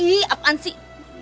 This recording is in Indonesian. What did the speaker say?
ih apaan sih